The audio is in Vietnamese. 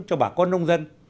cho bà con nông dân